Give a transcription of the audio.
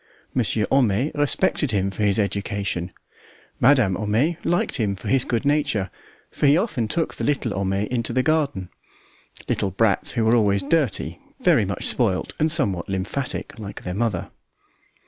Monsieur Homais respected him for his education; Madame Homais liked him for his good nature, for he often took the little Homais into the garden little brats who were always dirty, very much spoilt, and somewhat lymphatic, like their mother.